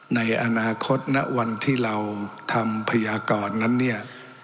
ในอนาคตณวันที่เราทำพยากรนั้นเนี่ย